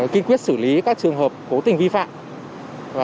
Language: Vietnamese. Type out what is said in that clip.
kinh quyết xử lý các trường hợp cố tình vi phạm